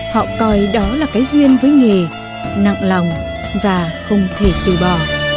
họ coi đó là cái duyên với nghề nặng lòng và không thể từ bỏ